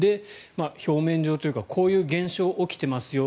表面上というかこういう現状が起きてますよ。